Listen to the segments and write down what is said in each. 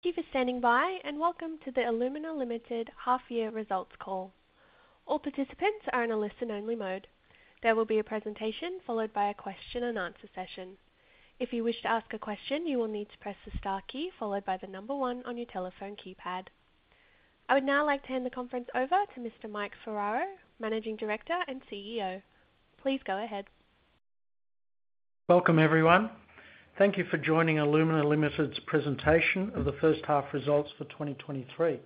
Thank you for standing by, and welcome to the Alumina Limited half-year results call. All participants are in a listen-only mode. There will be a presentation followed by a question and answer session. If you wish to ask a question, you will need to press the star key followed by the number one on your telephone keypad. I would now like to hand the conference over to Mr. Mike Ferraro, Managing Director and CEO. Please go ahead. Welcome, everyone. Thank you for joining Alumina Limited's presentation of the first half results for 2023.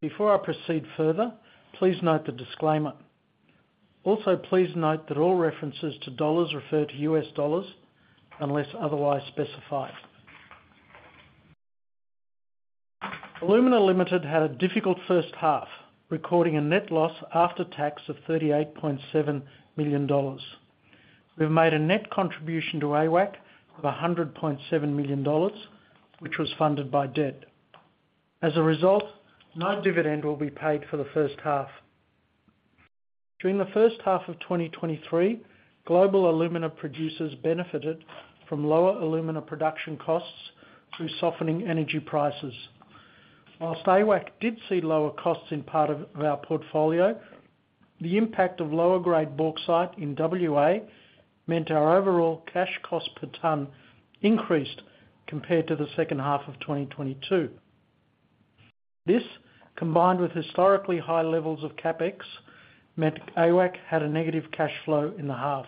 Before I proceed further, please note the disclaimer. Please note that all references to dollars refer to U.S. dollars unless otherwise specified. Alumina Limited had a difficult first half, recording a net loss after tax of $38.7 million. We've made a net contribution to AWAC of $100.7 million, which was funded by debt. As a result, no dividend will be paid for the first half. During the first half of 2023, global alumina producers benefited from lower alumina production costs through softening energy prices. While AWAC did see lower costs in part of our portfolio, the impact of lower-grade bauxite in WA meant our overall cash cost per tonne increased compared to the second half of 2022. This, combined with historically high levels of CapEx, meant AWAC had a negative cash flow in the half.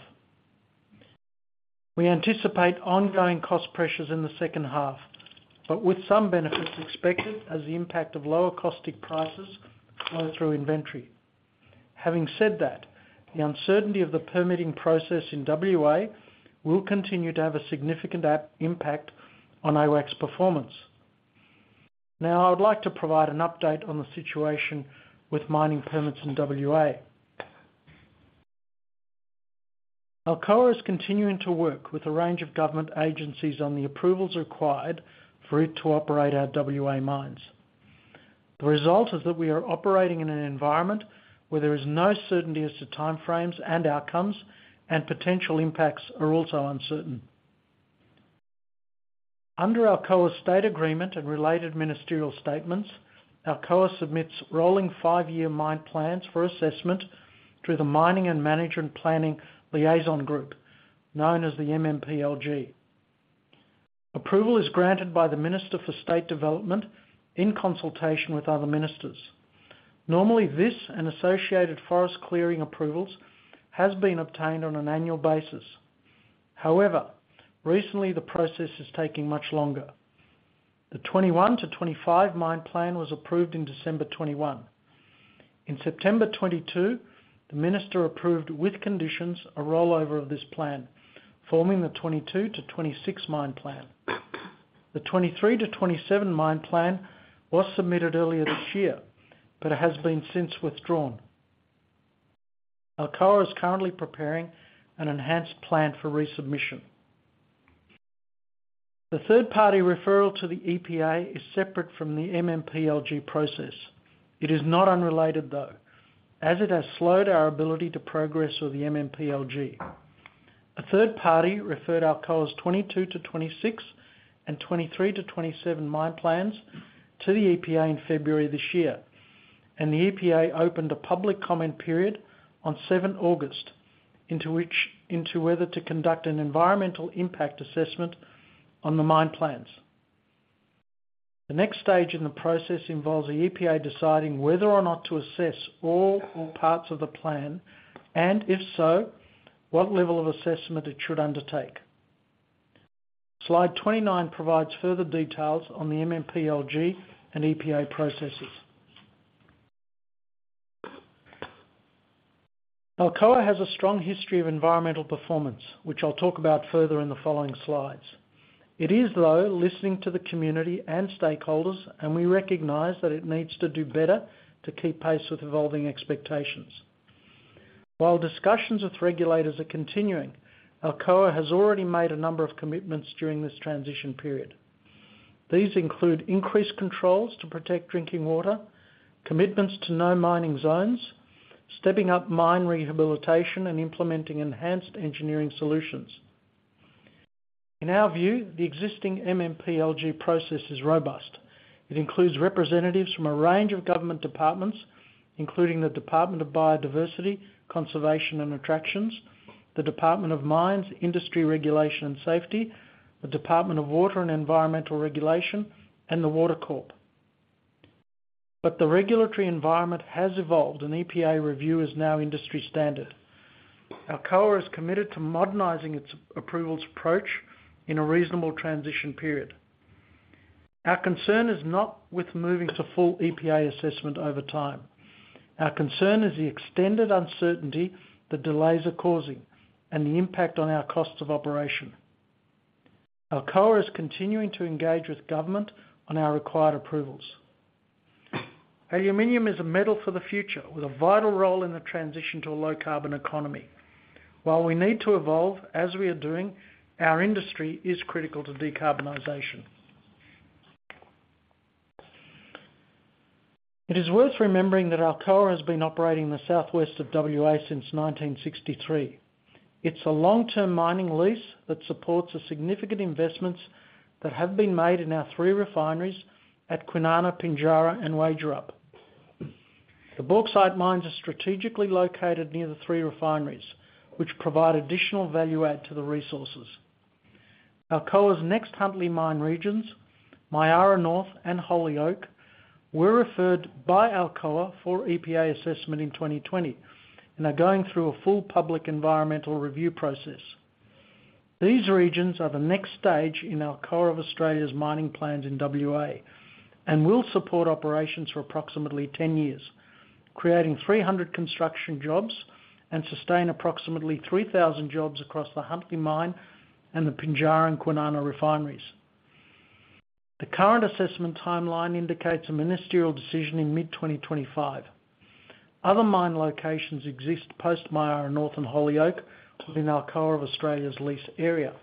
We anticipate ongoing cost pressures in the second half, but with some benefits expected as the impact of lower caustic prices flow through inventory. Having said that, the uncertainty of the permitting process in WA will continue to have a significant impact on AWAC's performance. Now, I would like to provide an update on the situation with mining permits in WA. Alcoa is continuing to work with a range of government agencies on the approvals required for it to operate our WA mines. The result is that we are operating in an environment where there is no certainty as to timeframes and outcomes, and potential impacts are also uncertain. Under Alcoa's State Agreement and related ministerial statements, Alcoa submits rolling five-year mine plans for assessment through the Mining and Management Planning Liaison Group, known as the MMPLG. Approval is granted by the Minister for State Development, in consultation with other ministers. Normally, this and associated forest clearing approvals has been obtained on an annual basis. However, recently, the process is taking much longer. The 2021-2025 mine plan was approved in December 2021. In September 2022, the Minister approved, with conditions, a rollover of this plan, forming the 2022-2026 mine plan. The 2023-2027 mine plan was submitted earlier this year, but it has been since withdrawn. Alcoa is currently preparing an enhanced plan for resubmission. The third-party referral to the EPA is separate from the MMPLG process. It is not unrelated, though, as it has slowed our ability to progress with the MMPLG. A third party referred Alcoa's 2022-2026 and 2023-2027 mine plans to the EPA in February this year, and the EPA opened a public comment period on 7th August, into whether to conduct an environmental impact assessment on the mine plans. The next stage in the process involves the EPA deciding whether or not to assess all parts of the plan and if so, what level of assessment it should undertake. Slide 29 provides further details on the MMPLG and EPA processes. Alcoa has a strong history of environmental performance, which I'll talk about further in the following slides. It is, though, listening to the community and stakeholders, and we recognize that it needs to do better to keep pace with evolving expectations. While discussions with regulators are continuing, Alcoa has already made a number of commitments during this transition period. These include increased controls to protect drinking water, commitments to no mining zones, stepping up mine rehabilitation, and implementing enhanced engineering solutions. In our view, the existing MMPLG process is robust. It includes representatives from a range of government departments, including the Department of Biodiversity, Conservation and Attractions, the Department of Energy, Mines, Industry Regulation and Safety, the Department of Water and Environmental Regulation, and the Water Corporation. The regulatory environment has evolved, and EPA review is now industry standard. Alcoa is committed to modernizing its approvals approach in a reasonable transition period. Our concern is not with moving to full EPA assessment over time. Our concern is the extended uncertainty that delays are causing and the impact on our costs of operation. Alcoa is continuing to engage with government on our required approvals. Aluminium is a metal for the future, with a vital role in the transition to a low-carbon economy. While we need to evolve as we are doing, our industry is critical to decarbonization. It is worth remembering that Alcoa has been operating in the southwest of WA since 1963. It's a long-term mining lease that supports the significant investments that have been made in our three refineries at Kwinana, Pinjarra, and Wagerup. The bauxite mines are strategically located near the three refineries, which provide additional value add to the resources. Alcoa's next Huntly Mine regions, Myara North and Holyoake, were referred by Alcoa for EPA assessment in 2020, and are going through a full public environmental review process. These regions are the next stage in Alcoa of Australia's mining plans in WA, and will support operations for approximately 10 years, creating 300 construction jobs and sustain approximately 3,000 jobs across the Huntly Mine and the Pinjarra and Kwinana refineries. The current assessment timeline indicates a ministerial decision in mid-2025. Other mine locations exist post Myara North and Holyoake within Alcoa of Australia's lease area.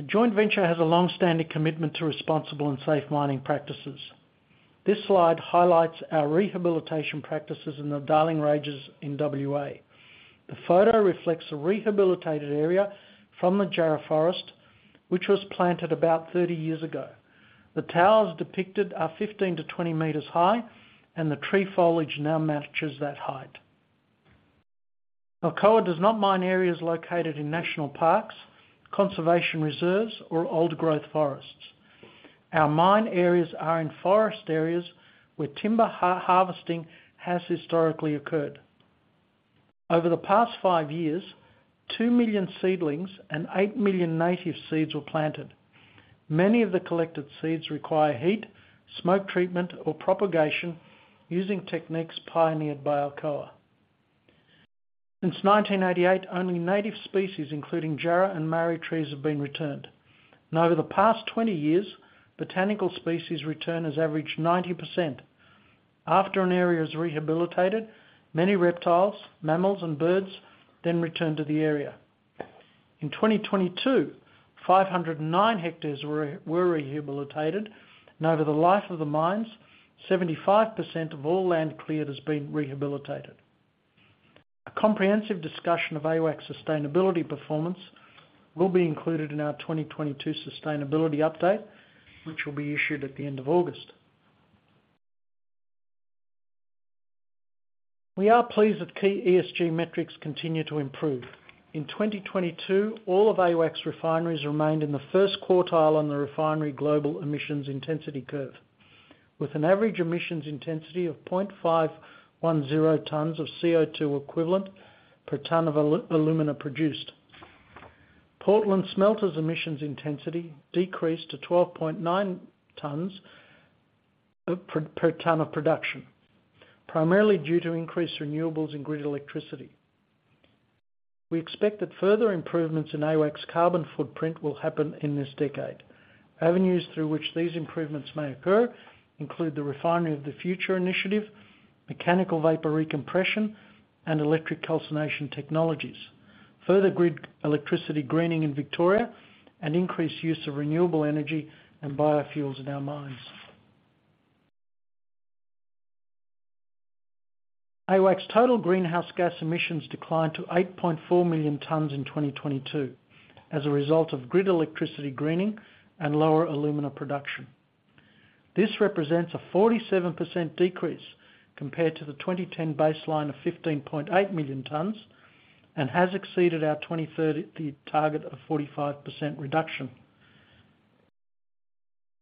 The joint venture has a long-standing commitment to responsible and safe mining practices. This slide highlights our rehabilitation practices in the Darling Ranges in WA. The photo reflects a rehabilitated area from the Jarrah forest, which was planted about 30 years ago. The towers depicted are 15 meters-20 meters high, and the tree foliage now matches that height. Alcoa does not mine areas located in national parks, conservation reserves, or old-growth forests. Our mine areas are in forest areas where timber harvesting has historically occurred. Over the past five years, 2 million seedlings and 8 million native seeds were planted. Many of the collected seeds require heat, smoke treatment, or propagation using techniques pioneered by Alcoa. Since 1988, only native species, including Jarrah and Marri trees, have been returned. Over the past 20 years, botanical species return has averaged 90%. After an area is rehabilitated, many reptiles, mammals, and birds then return to the area. In 2022, 509 hectares were rehabilitated, and over the life of the mines, 75% of all land cleared has been rehabilitated. A comprehensive discussion of AWAC's sustainability performance will be included in our 2022 sustainability update, which will be issued at the end of August. We are pleased that key ESG metrics continue to improve. In 2022, all of AWAC's refineries remained in the first quartile on the refinery global emissions intensity curve, with an average emissions intensity of 0.510 tonnes of CO2 equivalent per tonne of alumina produced. Portland smelters emissions intensity decreased to 12.9 tonnes per tonne of production, primarily due to increased renewables and grid electricity. We expect that further improvements in AWAC's carbon footprint will happen in this decade. Avenues through which these improvements may occur include the refinery of the Future Initiative, Mechanical Vapor Recompression, and electric calcination technologies, further grid electricity greening in Victoria, and increased use of renewable energy and biofuels in our mines. AWAC's total greenhouse gas emissions declined to 8.4 million tonnes in 2022 as a result of grid electricity greening and lower alumina production. This represents a 47% decrease compared to the 2010 baseline of 15.8 million tonnes and has exceeded our 2030 target of a 45% reduction.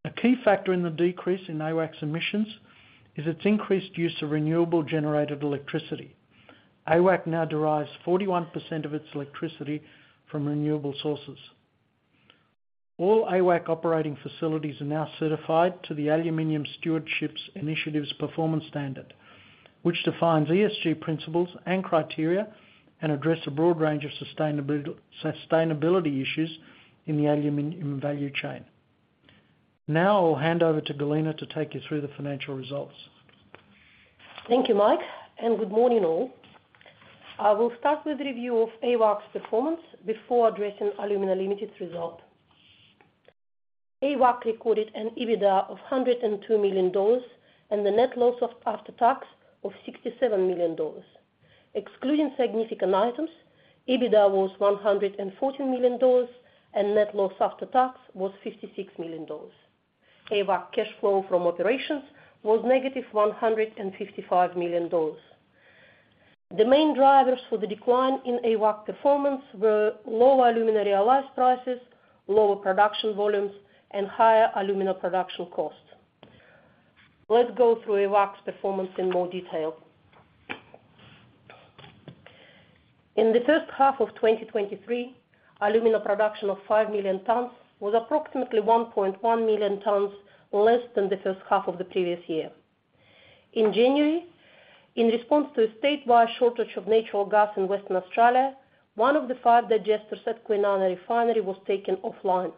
A key factor in the decrease in AWAC's emissions is its increased use of renewable-generated electricity. AWAC now derives 41% of its electricity from renewable sources. All AWAC operating facilities are now certified to the Aluminium Stewardship Initiative's Performance Standard, which defines ESG principles and criteria and address a broad range of sustainability issues in the aluminum value chain. Now I'll hand over to Galina to take you through the financial results. Thank you, Mike, and good morning, all. I will start with a review of AWAC's performance before addressing Alumina Limited's result. AWAC recorded an EBITDA of $102 million, and a net loss after tax of $67 million. Excluding significant items, EBITDA was $114 million, and net loss after tax was $56 million. AWAC cash flow from operations was -$155 million. The main drivers for the decline in AWAC performance were lower alumina realized prices, lower production volumes, and higher alumina production costs. Let's go through AWAC's performance in more detail. In the first half of 2023, alumina production of 5 million tonnes was approximately 1.1 million tonnes less than the first half of the previous year. In January, in response to a statewide shortage of natural gas in Western Australia, one of the five digesters at Kwinana refinery was taken offline.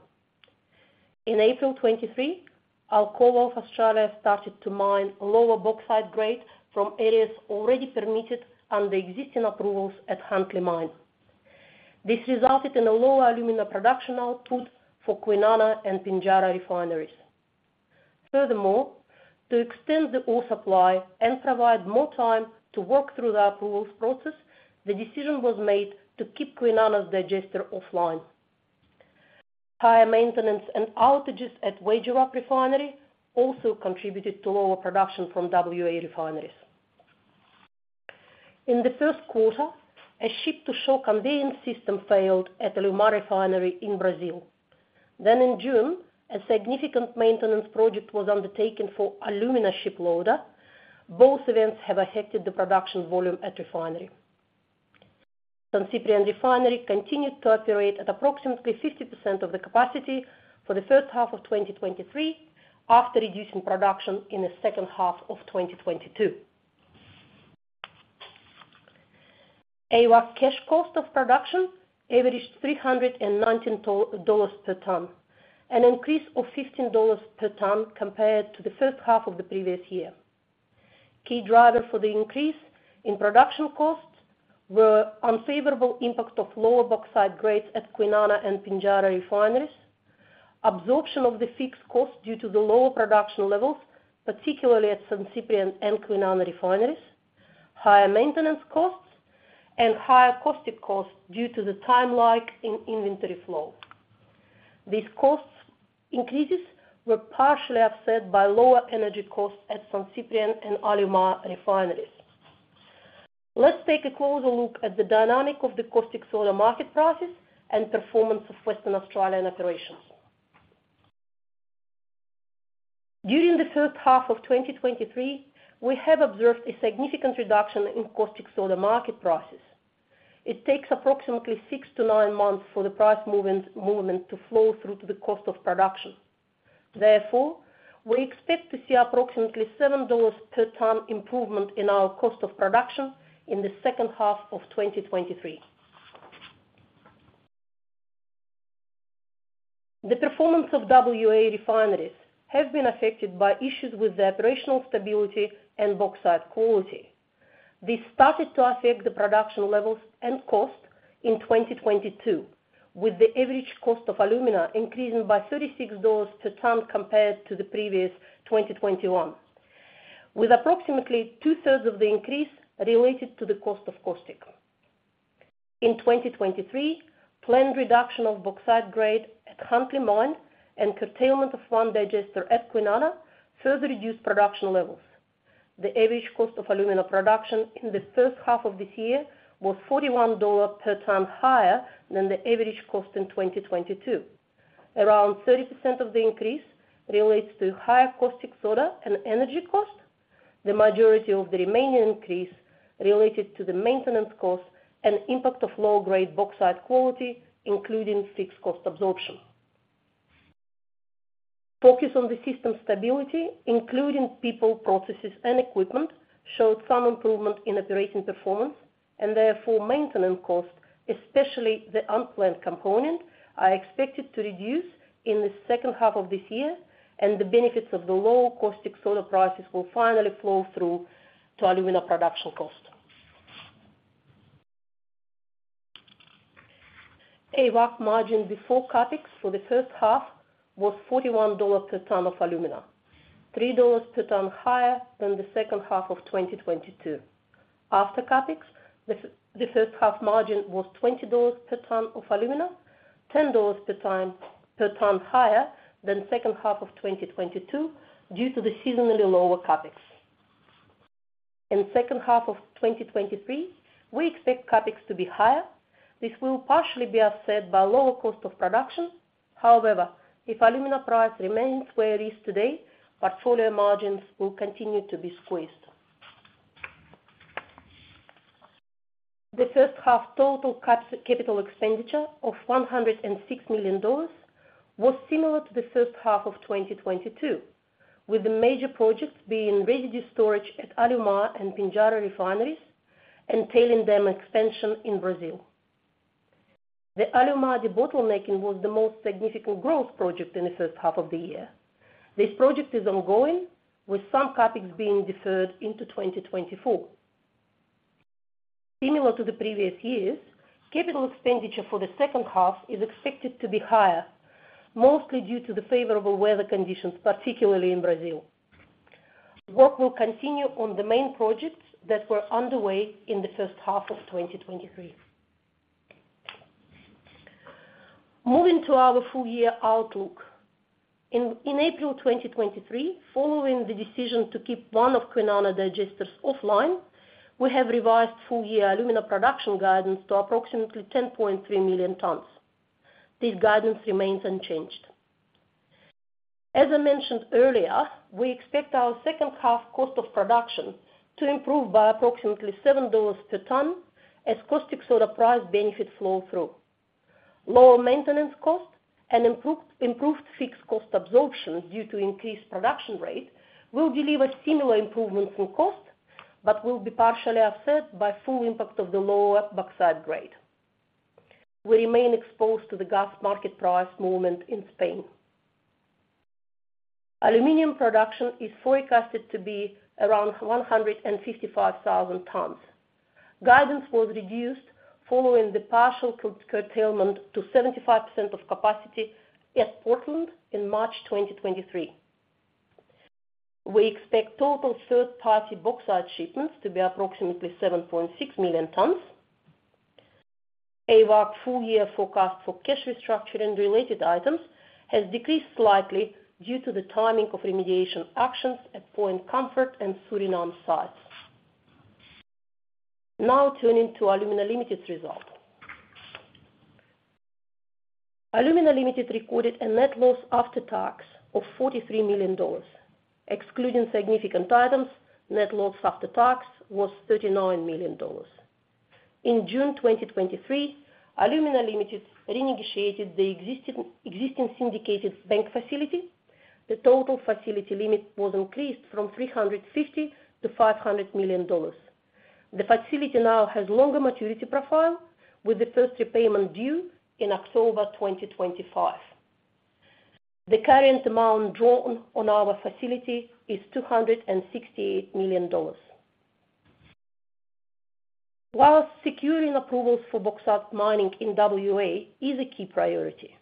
In April 2023, Alcoa of Australia started to mine lower bauxite grade from areas already permitted under existing approvals at Huntly Mine. This resulted in a lower alumina production output for Kwinana and Pinjarra Refineries. Furthermore, to extend the ore supply and provide more time to work through the approvals process, the decision was made to keep Kwinana's digester offline. Higher maintenance and outages at Wagerup refinery also contributed to lower production from WA Refineries. In the first quarter, a ship-to-shore conveyance system failed at Alumar refinery in Brazil. In June, a significant maintenance project was undertaken for alumina ship loader. Both events have affected the production volume at refinery. San Ciprián refinery continued to operate at approximately 50% of the capacity for the first half of 2023, after reducing production in the second half of 2022. AWAC cash cost of production averaged $319 per tonne, an increase of $15 per tonne compared to the first half of the previous year. Key driver for the increase in production costs were unfavorable impact of lower bauxite grades at Kwinana and Pinjarra refineries, absorption of the fixed costs due to the lower production levels, particularly at San Ciprián and Kwinana refineries, higher maintenance costs, and higher caustic costs due to the time lag in inventory flow. These costs increases were partially offset by lower energy costs at San Ciprián and Alumar refineries. Let's take a closer look at the dynamic of the caustic soda market prices and performance of Western Australian operations. During the first half of 2023, we have observed a significant reduction in caustic soda market prices. It takes approximately six to nine months for the price movement to flow through to the cost of production. Therefore, we expect to see approximately $7 per tonne improvement in our cost of production in the second half of 2023. The performance of WA refineries have been affected by issues with the operational stability and bauxite quality. This started to affect the production levels and cost in 2022, with the average cost of alumina increasing by $36 per tonne compared to the previous 2021, with approximately 2/3 of the increase related to the cost of caustic. In 2023, planned reduction of bauxite grade at Huntly Mine and curtailment of one digester at Kwinana further reduced production levels. The average cost of alumina production in the first half of this year was $41 per tonne higher than the average cost in 2022. Around 30% of the increase relates to higher caustic soda and energy costs. The majority of the remaining increase related to the maintenance costs and impact of lower grade bauxite quality, including fixed cost absorption. Focus on the system stability, including people, processes, and equipment, showed some improvement in operating performance. Therefore maintenance costs, especially the unplanned component, are expected to reduce in the second half of this year. The benefits of the lower caustic soda prices will finally flow through to alumina production cost. AWAC margin before CapEx for the first half was $41 per tonne of alumina, $3 per tonne higher than the second half of 2022. After CapEx, the first half margin was $20 per tonne of alumina, $10 per tonne higher than second half of 2022, due to the seasonally lower CapEx. In second half of 2023, we expect CapEx to be higher. This will partially be offset by lower cost of production. However, if alumina price remains where it is today, portfolio margins will continue to be squeezed. The first half total capital expenditure of $106 million was similar to the first half of 2022, with the major projects being residue storage at Alumar and Pinjarra refineries and tailing dam expansion in Brazil. The Alumar debottlenecking was the most significant growth project in the first half of the year. This project is ongoing, with some CapEx being deferred into 2024. Similar to the previous years, capital expenditure for the second half is expected to be higher, mostly due to the favorable weather conditions, particularly in Brazil. Work will continue on the main projects that were underway in the first half of 2023. Moving to our full-year outlook. In April 2023, following the decision to keep one of Kwinana digesters offline, we have revised full-year alumina production guidance to approximately 10.3 million tonnes. This guidance remains unchanged. As I mentioned earlier, we expect our second half cost of production to improve by approximately $7 per tonne as caustic soda price benefit flow through. Lower maintenance costs and improved fixed cost absorption due to increased production rate will deliver similar improvements in cost, but will be partially offset by full impact of the lower bauxite grade. We remain exposed to the gas market price movement in Spain. Aluminum production is forecasted to be around 155,000 tonnes. Guidance was reduced following the partial co-curtailment to 75% of capacity at Portland in March 2023. We expect total third-party bauxite shipments to be approximately 7.6 million tonnes. AWAC full year forecast for cash restructure and related items has decreased slightly due to the timing of remediation actions at Point Comfort and Suriname sites. Now turning to Alumina Limited result. Alumina Limited recorded a net loss after tax of $43 million. Excluding significant items, net loss after tax was $39 million. In June 2023, Alumina Limited renegotiated the existing syndicated bank facility. The total facility limit was increased from $350 million to $500 million. The facility now has longer maturity profile, with the first repayment due in October 2025. The current amount drawn on our facility is $268 million. While securing approvals for bauxite mining in WA is a key priority,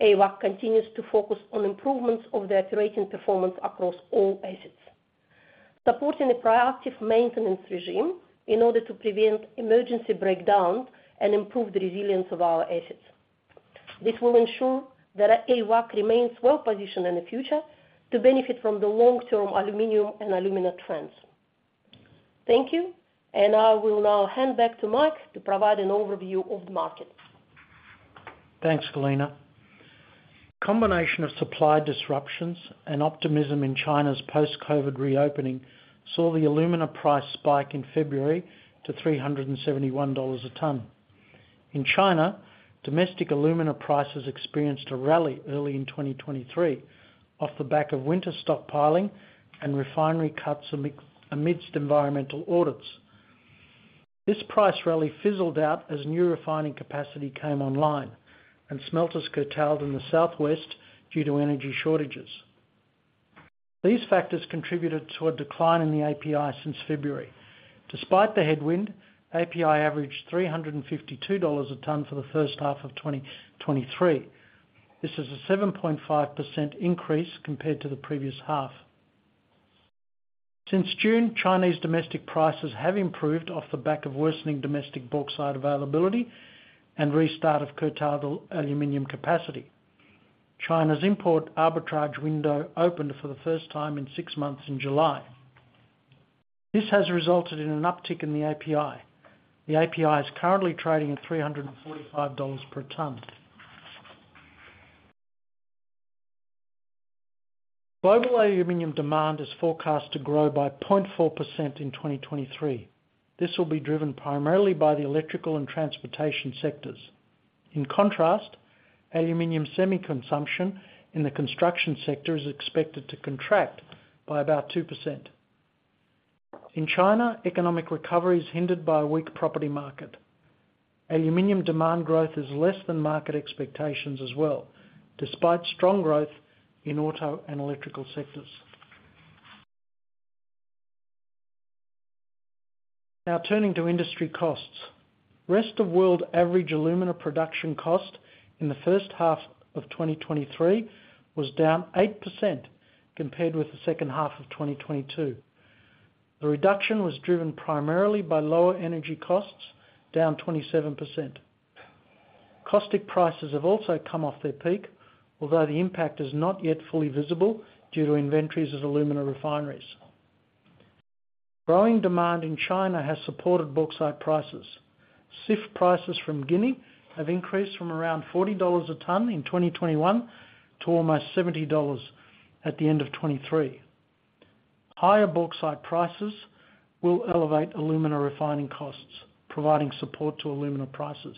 AWAC continues to focus on improvements of the operating performance across all assets, supporting a proactive maintenance regime in order to prevent emergency breakdown and improve the resilience of our assets. This will ensure that AWAC remains well positioned in the future to benefit from the long-term aluminum and alumina trends. Thank you, I will now hand back to Mike to provide an overview of the market. Thanks, Galina. Combination of supply disruptions and optimism in China's post-COVID reopening saw the alumina price spike in February to $371 a tonne. In China, domestic alumina prices experienced a rally early in 2023, off the back of winter stockpiling and refinery cuts amidst environmental audits. This price rally fizzled out as new refining capacity came online, and smelters curtailed in the southwest due to energy shortages. These factors contributed to a decline in the API since February. Despite the headwind, API averaged $352 a tonne for the first half of 2023. This is a 7.5% increase compared to the previous half. Since June, Chinese domestic prices have improved off the back of worsening domestic bauxite availability and restart of curtailed aluminum capacity. China's import arbitrage window opened for the first time in six months in July. This has resulted in an uptick in the API. The API is currently trading at $345 per tonne. Global aluminum demand is forecast to grow by 0.4% in 2023. This will be driven primarily by the electrical and transportation sectors. In contrast, aluminum semi consumption in the construction sector is expected to contract by about 2%. In China, economic recovery is hindered by a weak property market. Aluminum demand growth is less than market expectations as well, despite strong growth in auto and electrical sectors. Now, turning to industry costs. Rest of world average alumina production cost in the first half of 2023 was down 8% compared with the second half of 2022. The reduction was driven primarily by lower energy costs, down 27%. Caustic prices have also come off their peak, although the impact is not yet fully visible due to inventories at alumina refineries. Growing demand in China has supported bauxite prices. CIF prices from Guinea have increased from around $40 a tonne in 2021 to almost $70 at the end of 2023. Higher bauxite prices will elevate alumina refining costs, providing support to alumina prices.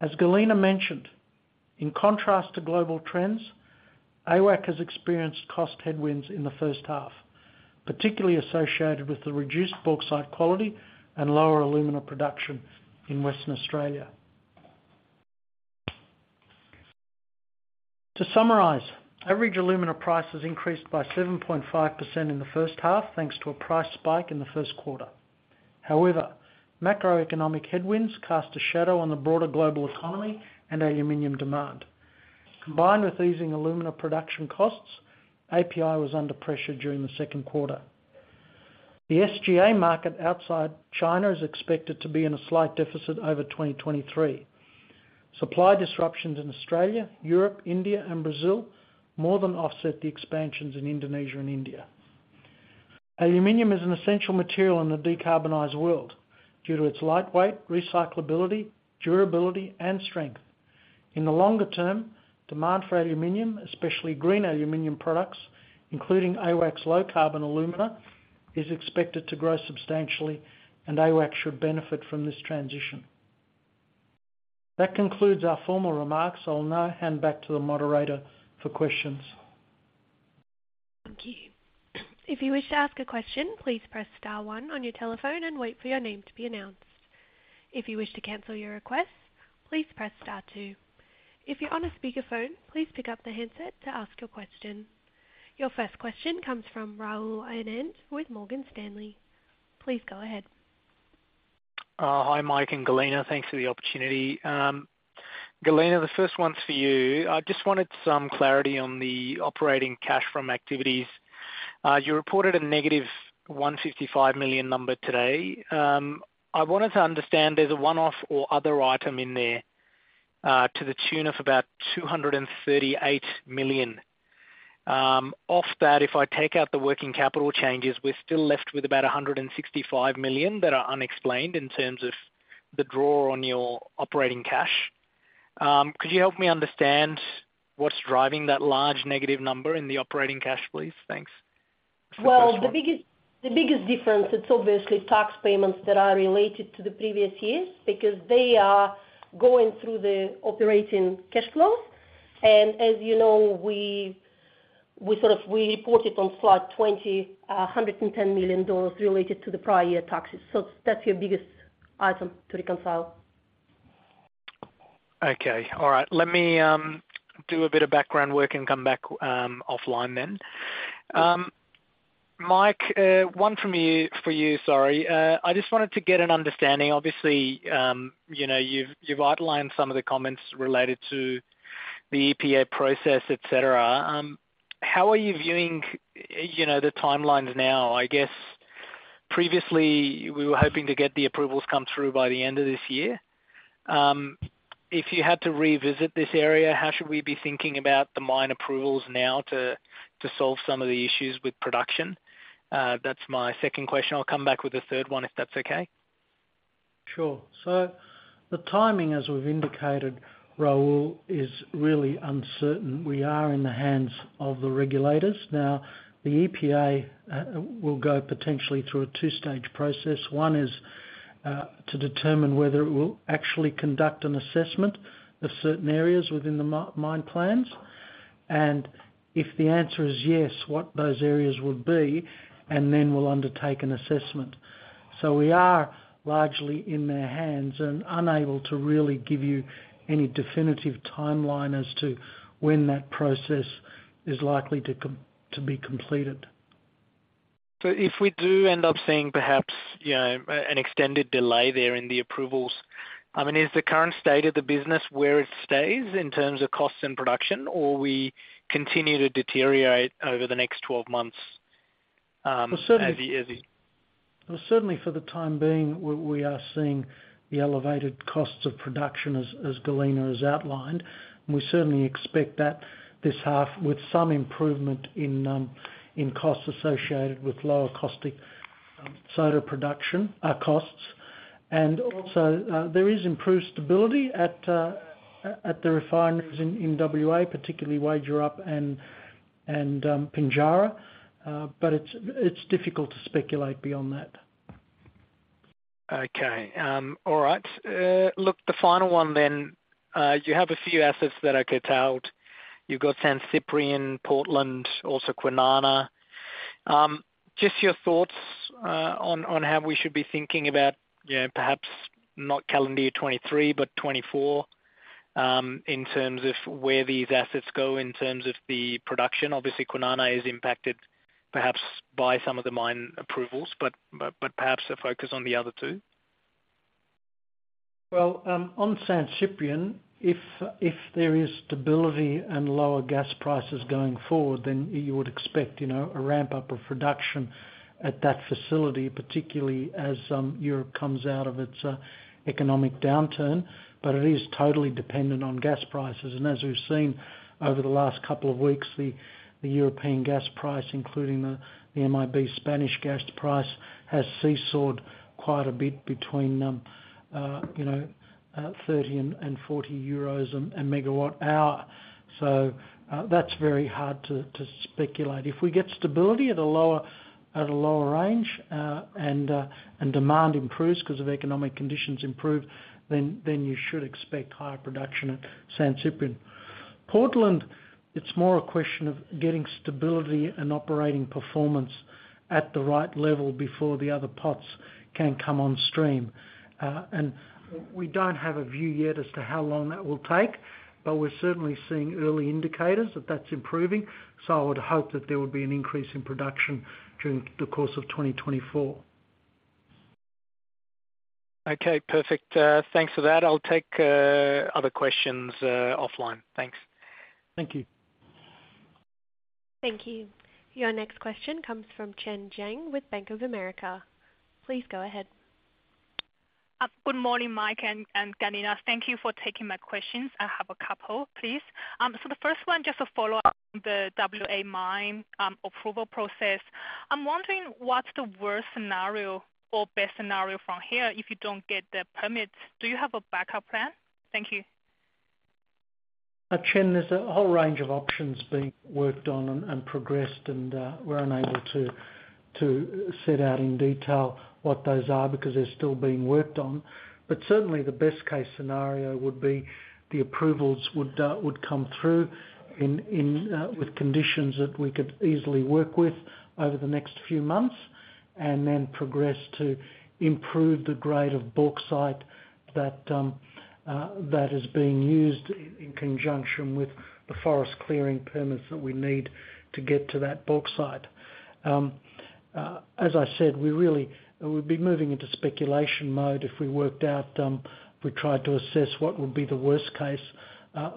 As Galina mentioned, in contrast to global trends, AWAC has experienced cost headwinds in the first half, particularly associated with the reduced bauxite quality and lower alumina production in Western Australia. To summarize, average alumina prices increased by 7.5% in the first half, thanks to a price spike in the first quarter. However, macroeconomic headwinds cast a shadow on the broader global economy and aluminum demand. Combined with easing alumina production costs, API was under pressure during the second quarter. The SGA market outside China is expected to be in a slight deficit over 2023. Supply disruptions in Australia, Europe, India, and Brazil more than offset the expansions in Indonesia and India. Aluminum is an essential material in the decarbonized world due to its lightweight, recyclability, durability, and strength. In the longer term, demand for aluminum, especially green aluminum products, including AWAC's low-carbon alumina, is expected to grow substantially, and AWAC should benefit from this transition. That concludes our formal remarks. I'll now hand back to the moderator for questions. Thank you. If you wish to ask a question, please press star one on your telephone and wait for your name to be announced. If you wish to cancel your request, please press star two. If you're on a speakerphone, please pick up the handset to ask your question. Your first question comes from Rahul Anand with Morgan Stanley. Please go ahead. Hi, Mike and Galina. Thanks for the opportunity. Galina, the first one's for you. I just wanted some clarity on the operating cash from activities. You reported a -$155 million number today. I wanted to understand there's a one-off or other item in there, to the tune of about $238 million. Off that, if I take out the working capital changes, we're still left with about $165 million that are unexplained in terms of the draw on your operating cash. Could you help me understand what's driving that large negative number in the operating cash, please? Thanks. Well, the biggest, the biggest difference, it's obviously tax payments that are related to the previous years because they are going through the operating cash flows. As you know, we, we sort of, we reported on slide 20, $110 million related to the prior year taxes. That's your biggest item to reconcile. Okay. All right. Let me do a bit of background work and come back offline then. Mike, one for you, sorry. I just wanted to get an understanding, obviously, you know, you've, you've outlined some of the comments related to the EPA process, et cetera. How are you viewing, you know, the timelines now? I guess previously we were hoping to get the approvals come through by the end of this year. If you had to revisit this area, how should we be thinking about the mine approvals now to, to solve some of the issues with production? That's my second question. I'll come back with a third one, if that's okay. Sure. The timing, as we've indicated, Rahul, is really uncertain. We are in the hands of the regulators. Now, the EPA will go potentially through a two-stage process. One is to determine whether it will actually conduct an assessment of certain areas within the mine plans, and if the answer is yes, what those areas would be, and then we'll undertake an assessment. We are largely in their hands and unable to really give you any definitive timeline as to when that process is likely to be completed. If we do end up seeing perhaps, you know, an extended delay there in the approvals, I mean, is the current state of the business where it stays in terms of costs and production, or we continue to deteriorate over the next 12 months as it is? Well, certainly for the time being, we, we are seeing the elevated costs of production as Galina has outlined, and we certainly expect that this half with some improvement in costs associated with lower costing soda production costs. Also, there is improved stability at, at, at the refineries in WA, particularly Wagerup and Pinjarra. It's, it's difficult to speculate beyond that. Okay. All right. Look, the final one then, you have a few assets that are curtailed. You've got San Ciprián, Portland, also Kwinana. Just your thoughts on how we should be thinking about, you know, perhaps not calendar 2023, but 2024, in terms of where these assets go, in terms of the production. Obviously, Kwinana is impacted perhaps by some of the mine approvals, but perhaps a focus on the other two. Well, on San Ciprián, if, if there is stability and lower gas prices going forward, then you would expect, you know, a ramp-up of production at that facility, particularly as Europe comes out of its economic downturn. It is totally dependent on gas prices. As we've seen over the last couple of weeks, the European gas price, including the MIB Spanish Gas price, has seesawed quite a bit between, you know, 30 and 40 euros a MWh. That's very hard to speculate. If we get stability at a lower, at a lower range, and demand improves because of economic conditions improve, then, then you should expect higher production at San Ciprián. Portland, it's more a question of getting stability and operating performance at the right level before the other pots can come on stream. We don't have a view yet as to how long that will take, but we're certainly seeing early indicators that that's improving. I would hope that there would be an increase in production during the course of 2024. Okay, perfect. Thanks for that. I'll take other questions offline. Thanks. Thank you. Thank you. Your next question comes from Chen Jiang with Bank of America. Please go ahead. Good morning, Mike and Galina. Thank you for taking my questions. I have couple, please. The first one, just a follow-up on the WA mine approval process. I'm wondering, what's the worst scenario or best scenario from here if you don't get the permits? Do you have a backup plan? Thank you. Chen, there's a whole range of options being worked on and progressed, and we're unable to set out in detail what those are, because they're still being worked on. Certainly, the best case scenario would be the approvals would come through in with conditions that we could easily work with over the next few months, and then progress to improve the grade of bauxite that is being used in conjunction with the forest clearing permits that we need to get to that bauxite. As I said, we really-- we'd be moving into speculation mode if we worked out if we tried to assess what would be the worst case.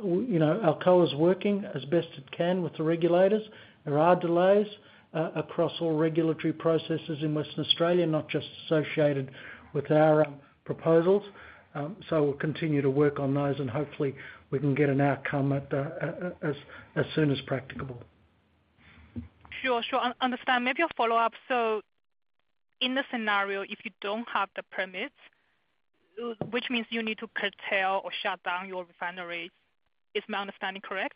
You know, Alcoa's working as best it can with the regulators. There are delays across all regulatory processes in Western Australia, not just associated with our proposals. We'll continue to work on those, and hopefully we can get an outcome as soon as practicable. Sure, sure. Understand. Maybe a follow-up: so in the scenario, if you don't have the permits, which means you need to curtail or shut down your refineries. Is my understanding correct?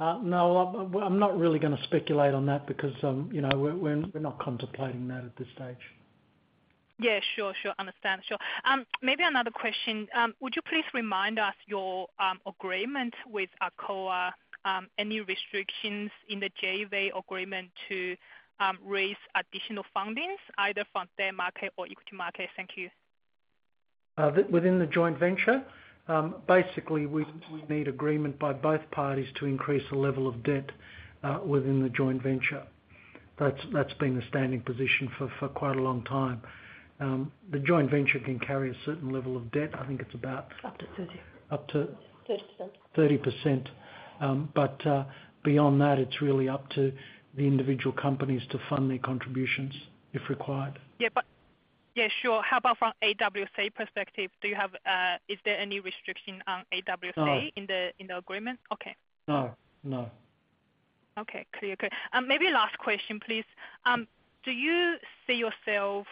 No. I, I'm not really gonna speculate on that because, you know, we're, we're, we're not contemplating that at this stage. Yeah. Sure. Sure. Understand, sure. Maybe another question. Would you please remind us your agreement with Alcoa, any restrictions in the JV agreement to raise additional fundings, either from their market or equity market? Thank you. Within the joint venture, basically, we, we need agreement by both parties to increase the level of debt within the joint venture. That's, that's been the standing position for, for quite a long time. The joint venture can carry a certain level of debt. I think it's about- Up to 30%. Up to- 30%. 30%. Beyond that, it's really up to the individual companies to fund their contributions, if required. Yeah. Yeah, sure. How about from AWAC perspective? Is there any restriction on AWAC- No.... in the, in the agreement? Okay. No, no. Okay, clear. Okay, maybe last question, please. Do you see yourself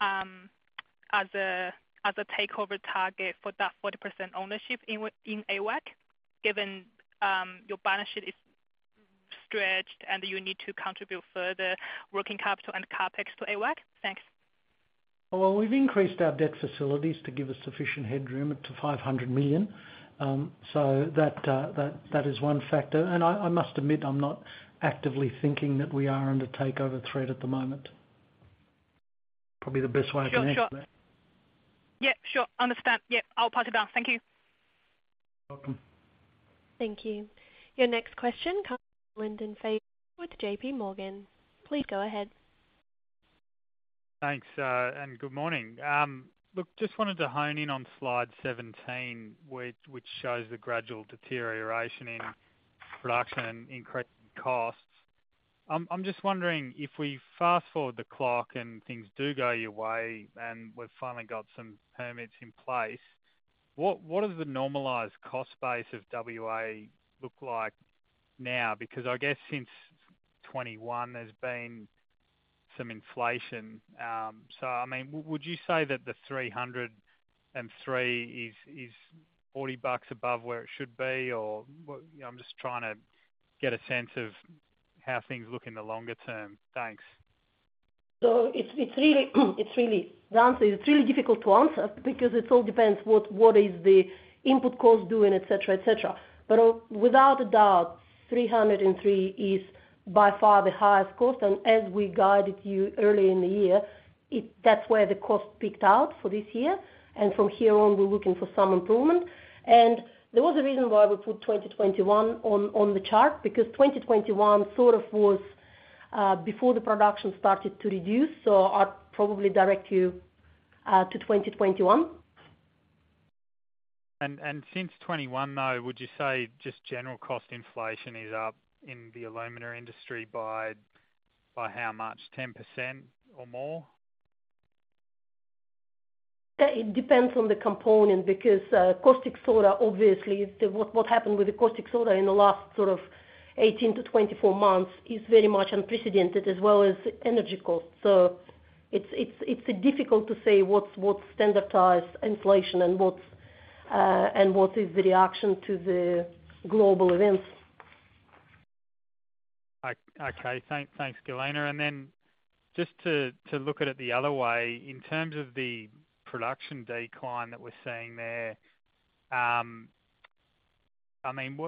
as a takeover target for that 40% ownership in AWAC, given your balance sheet is stretched, and you need to contribute further working capital and CapEx to AWAC? Thanks. Well, we've increased our debt facilities to give us sufficient headroom to $500 million. That is one factor. I must admit, I'm not actively thinking that we are under takeover threat at the moment. Probably the best way I can answer that. Sure, sure. Yep, sure. Understand. Yep, I'll pass it on. Thank you. Welcome. Thank you. Your next question comes from Lyndon Fagan with JPMorgan. Please go ahead. Thanks, and good morning. Look, just wanted to hone in on slide 17, which, which shows the gradual deterioration in production and increasing costs. I'm just wondering if we fast-forward the clock, and things do go your way, and we've finally got some permits in place, what, what are the normalized cost base of WA look like now? Because I guess since 2021, there's been some inflation. I mean, would you say that the $303 is, is $40 above where it should be? Or you know, I'm just trying to get a sense of how things look in the longer term. Thanks. It's really, the answer is it's really difficult to answer because it all depends what, what is the input costs doing, et cetera, et cetera. Without a doubt, $303 is by far the highest cost, and as we guided you early in the year, that's where the cost peaked out for this year. From here on, we're looking for some improvement. There was a reason why we put 2021 on, on the chart, because 2021 sort of was before the production started to reduce, so I'd probably direct you to 2021. And since 2021, though, would you say just general cost inflation is up in the alumina industry by, by how much, 10% or more? It depends on the component, because caustic soda, obviously, what, what happened with the caustic soda in the last sort of 18-24 months is very much unprecedented, as well as energy costs. It's, it's, it's difficult to say what's, what's standardized inflation and what's and what is the reaction to the global events. Okay. Thank, thanks, Galena. Then just to look at it the other way, in terms of the production decline that we're seeing there, I mean,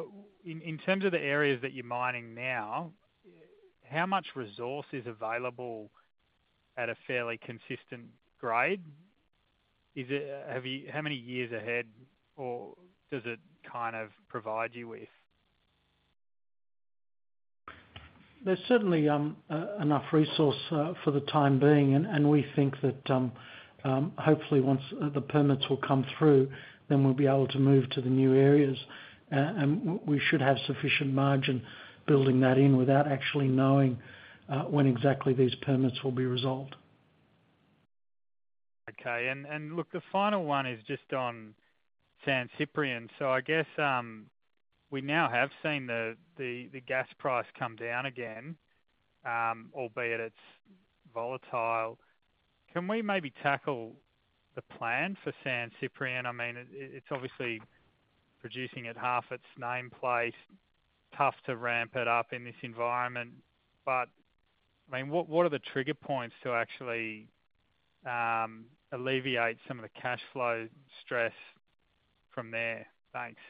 in terms of the areas that you're mining now, how much resource is available at a fairly consistent grade? How many years ahead, or does it kind of provide you with? There's certainly enough resource for the time being, and we think that hopefully once the permits will come through, then we'll be able to move to the new areas. We should have sufficient margin building that in without actually knowing when exactly these permits will be resolved. Okay. look, the final one is just on San Ciprián. I guess, we now have seen the, the, the gas price come down again, albeit it's volatile. Can we maybe tackle the plan for San Ciprián? I mean, it's obviously producing at half its nameplate, tough to ramp it up in this environment. I mean, what, what are the trigger points to actually alleviate some of the cash flow stress from there? Thanks.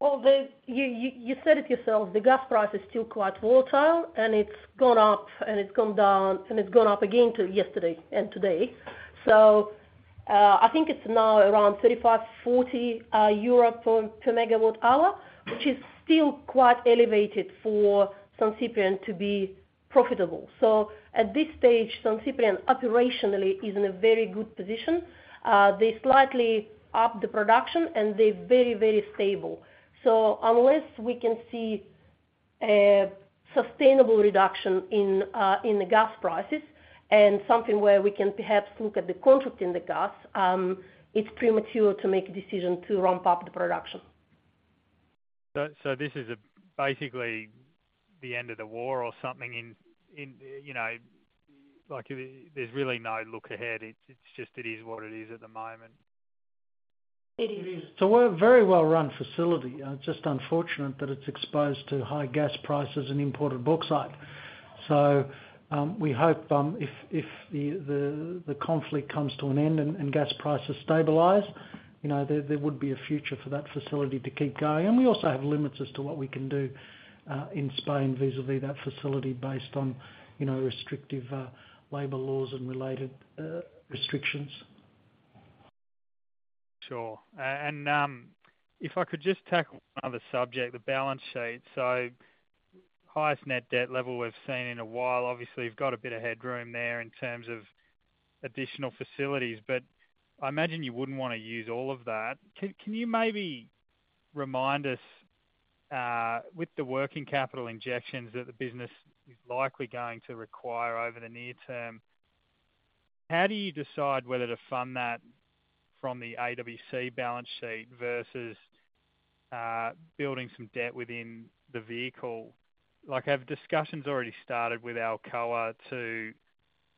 Well, you said it yourself, the gas price is still quite volatile, and it's gone up, and it's gone down, and it's gone up again till yesterday and today. I think it's now around 35-40 euro per MWh, which is still quite elevated for San Ciprián to be profitable. At this stage, San Ciprián operationally is in a very good position. They slightly up the production, and they're very, very stable. Unless we can see a sustainable reduction in the gas prices and something where we can perhaps look at the contract in the gas, it's premature to make a decision to ramp up the production. So this is a, basically, the end of the war or something in, in, you know, like, there's really no look ahead. It's, it's just it is what it is at the moment. It is. We're a very well-run facility. It's just unfortunate that it's exposed to high gas prices and imported bauxite. We hope if the conflict comes to an end and gas prices stabilize, you know, there would be a future for that facility to keep going. We also have limits as to what we can do in Spain, vis-a-vis that facility based on, you know, restrictive labor laws and related restrictions. Sure. If I could just tackle another subject, the balance sheet. Highest net debt level we've seen in a while. Obviously, you've got a bit of headroom there in terms of additional facilities, but I imagine you wouldn't want to use all of that. Can, can you maybe remind us with the working capital injections that the business is likely going to require over the near term, how do you decide whether to fund that from the AWAC balance sheet versus building some debt within the vehicle? Like, have discussions already started with Alcoa to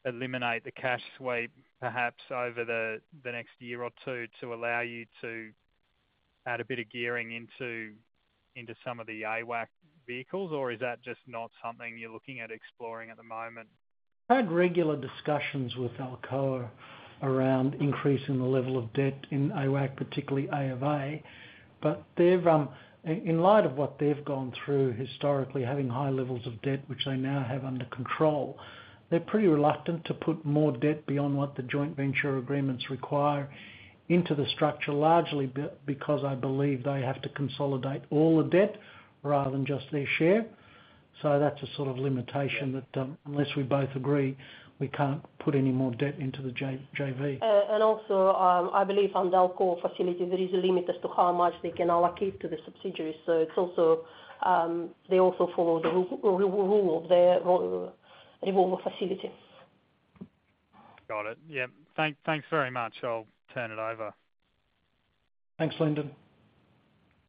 eliminate the cash sweep, perhaps over the next year or two, to allow you to add a bit of gearing into, into some of the AWAC vehicles? Or is that just not something you're looking at exploring at the moment? I had regular discussions with Alcoa around increasing the level of debt in AWAC, particularly A of A. They've, in light of what they've gone through historically having high levels of debt, which they now have under control, they're pretty reluctant to put more debt beyond what the joint venture agreements require into the structure. Largely because I believe they have to consolidate all the debt rather than just their share. That's a sort of limitation that, unless we both agree, we can't put any more debt into the JV. Also, I believe on the Alcoa facility, there is a limit as to how much they can allocate to the subsidiaries. It's also, they also follow the rule of their revolver facility. Got it. Yeah. Thanks very much. I'll turn it over. Thanks, Lyndon.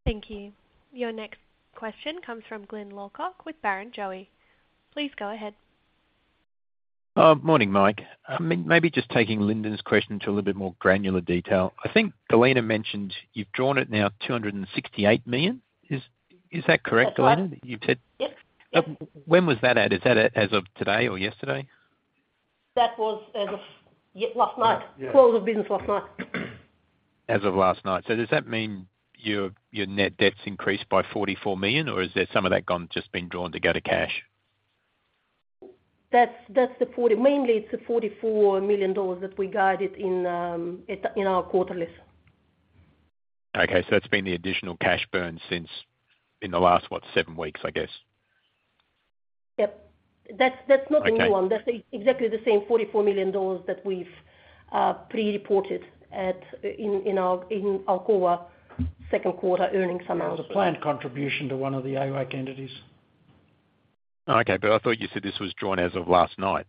Thank you. Your next question comes from Glyn Lawcock with Barrenjoey. Please go ahead. Morning, Mike. I mean, maybe just taking Lyndon's question to a little bit more granular detail. I think Galina mentioned you've drawn it now, $268 million. Is that correct, Galina? That's right. You did? Yep. When was that at? Is that as of today or yesterday? That was as of last night. Yeah. Close of business last night. As of last night. Does that mean your, your net debt's increased by $44 million, or is there some of that gone just been drawn to go to cash? That's mainly it's the $44 million that we guided in in our quarterly. Okay. That's been the additional cash burn since... in the last, what? Seven weeks, I guess. Yep. That's, that's not- Okay.... new one. That's exactly the same $44 million that we've pre-reported at Alcoa second quarter earnings announcement. The planned contribution to one of the AWAC entities. Okay, I thought you said this was drawn as of last night,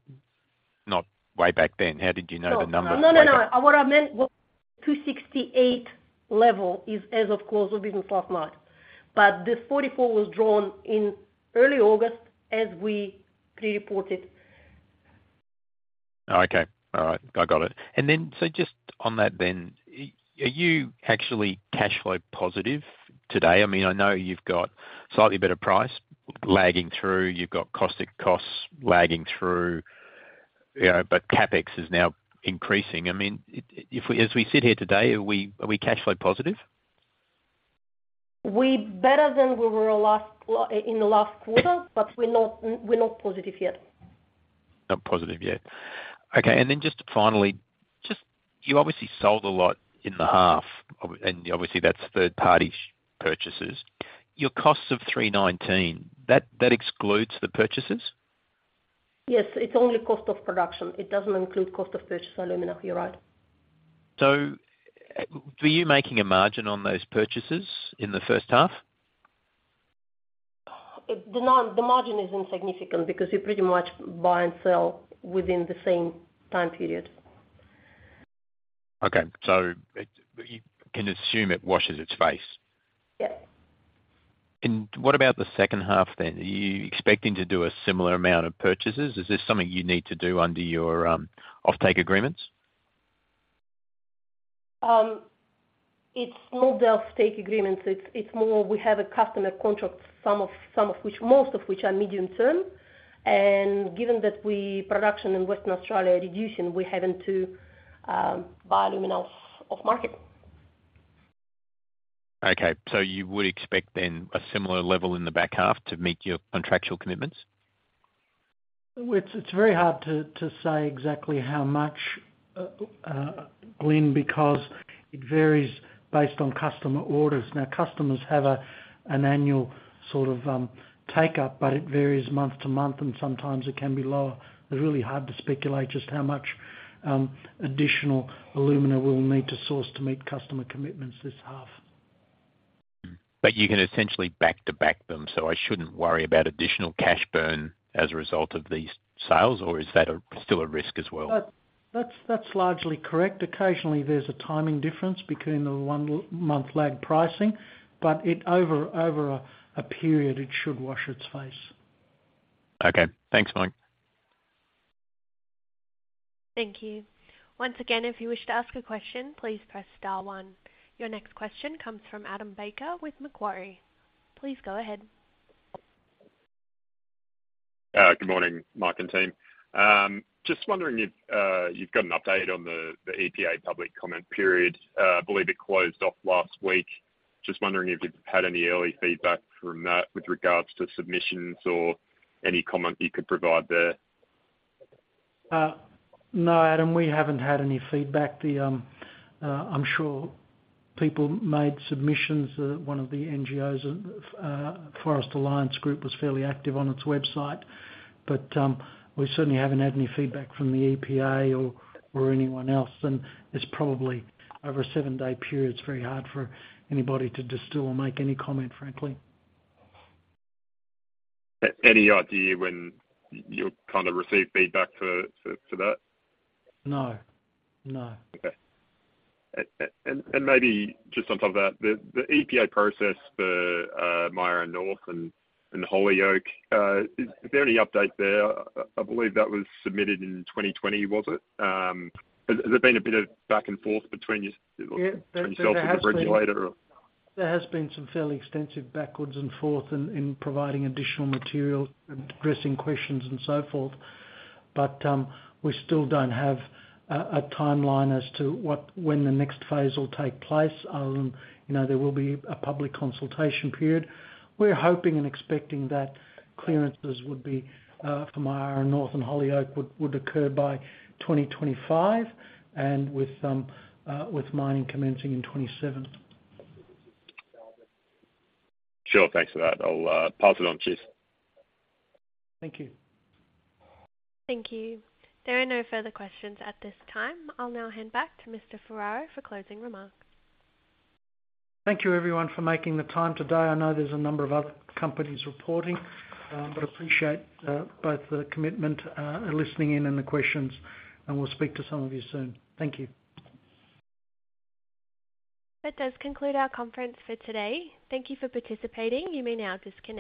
not way back then. How did you know the number? No, no, no. What I meant was $268 million level is as of close of business last night. But the $44 million was drawn in early August, as we pre-reported. Oh, okay. All right. I got it. Just on that then, are you actually cash flow positive today? I mean, I know you've got slightly better price lagging through, you've got caustic costs lagging through, you know, but CapEx is now increasing. I mean, if as we sit here today, are we, are we cash flow positive? We're better than we were last in the last quarter, but we're not, we're not positive yet. Not positive yet. Okay, just finally, you obviously sold a lot in the half, and obviously that's third-party purchases. Your costs of $319 per tonne, that excludes the purchases? Yes, it's only cost of production. It doesn't include cost of purchased alumina. You're right. Were you making a margin on those purchases in the first half? The margin is insignificant because you pretty much buy and sell within the same time period. Okay, you can assume it washes its face. Yes. What about the second half then? Are you expecting to do a similar amount of purchases? Is this something you need to do under your offtake agreements? It's not the offtake agreements. It's, it's more we have a customer contract, some of, some of which-- most of which are medium-term. Given that we, production in Western Australia are reducing, we're having to buy alumina off, off market. Okay, so you would expect then a similar level in the back half to meet your contractual commitments? It's, it's very hard to, to say exactly how much, Glyn, because it varies based on customer orders. Customers have a, an annual sort of, take-up, but it varies month to month, and sometimes it can be lower. It's really hard to speculate just how much additional alumina we'll need to source to meet customer commitments this half. You can essentially back to back them, so I shouldn't worry about additional cash burn as a result of these sales, or is that a, still a risk as well? That's, that's largely correct. Occasionally, there's a timing difference between the 1 month lag pricing, but it over, over a, a period, it should wash its face. Okay. Thanks, Mike. Thank you. Once again, if you wish to ask a question, please press star one. Your next question comes from Adam Baker with Macquarie. Please go ahead. Good morning, Mike and team. Just wondering if you've got an update on the EPA public comment period. I believe it closed off last week. Just wondering if you've had any early feedback from that with regards to submissions or any comment you could provide there? No, Adam, we haven't had any feedback. I'm sure people made submissions. One of the NGOs, Rainforest Alliance, was fairly active on its website. But we certainly haven't had any feedback from the EPA or anyone else. And it's probably over a seven-day period. It's very hard for anybody to distill or make any comment, frankly. Any idea when you'll kind of receive feedback for that? No. No. Okay. Maybe just on top of that, the EPA process for Myara North and Holyoake, is there any update there? I believe that was submitted in 2020, was it? Has there been a bit of back and forth between you- Yeah.... between yourself and the regulator or? There has been some fairly extensive backwards and forth in, in providing additional material and addressing questions and so forth. But we still don't have a timeline as to when the next phase will take place. Other than, you know, there will be a public consultation period. We're hoping and expecting that clearances would be from Myara North and Holyoake, would occur by 2025, and with mining commencing in 2027. Sure. Thanks for that. I'll pass it on. Cheers. Thank you. Thank you. There are no further questions at this time. I'll now hand back to Mr. Ferraro for closing remarks. Thank you, everyone, for making the time today. I know there's a number of other companies reporting, but appreciate both the commitment, listening in and the questions, and we'll speak to some of you soon. Thank you. That does conclude our conference for today. Thank you for participating. You may now disconnect.